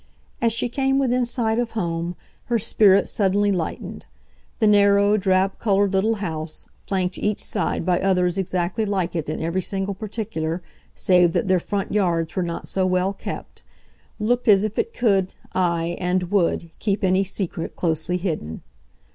As she came within sight of home, her spirit suddenly lightened. The narrow, drab coloured little house, flanked each side by others exactly like it in every single particular, save that their front yards were not so well kept, looked as if it could, aye, and would, keep any secret closely hidden.